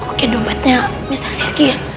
kok kayak dompetnya mister sergi ya